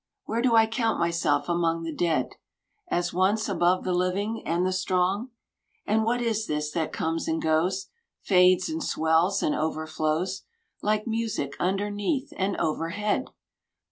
Where do I count myself among the dead. As once above the living and the strong? And what is this that comes and goes. Fades and swells and overflows, Like music underneath and overhead